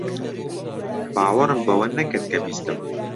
باوەڕم بەوە نەکرد کە بیستم.